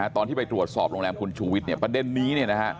ตอนที่ไปตรวจสอบโรงแรมคุณชูวิทย์ประเด็นนี้